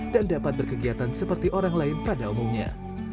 dan dapat berkegiatan seperti orang lain pada umumnya